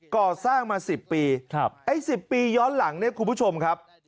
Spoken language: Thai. ก่อสร้างมา๑๐ปีไอ้๑๐ปีย้อนหลังเนี่ยคุณผู้ชมครับ